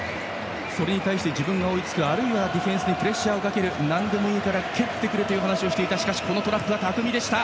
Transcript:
それに対して自分が追いつくあるいはディフェンスにプレッシャーをかけるなんでもいいから蹴ってくれと話していました。